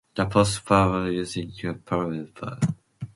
The post-larva swims using its pleopods.